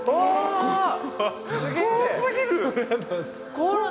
怖すぎる。